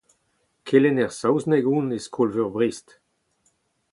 Kelenner saozneg on e skol-veur Brest.